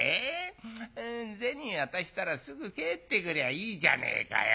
銭渡したらすぐ帰ってくりゃいいじゃねえかよ。